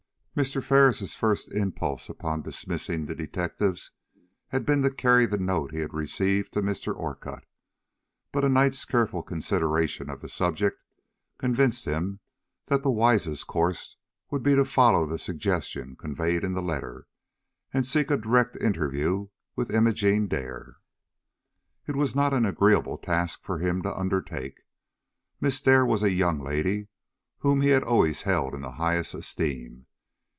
MR. FERRIS' first impulse upon dismissing the detectives had been to carry the note he had received to Mr. Orcutt. But a night's careful consideration of the subject convinced him that the wisest course would be to follow the suggestions conveyed in the letter, and seek a direct interview with Imogene Dare. It was not an agreeable task for him to undertake. Miss Dare was a young lady whom he had always held in the highest esteem.